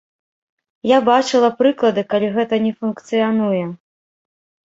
Я бачыла прыклады, калі гэта не функцыянуе.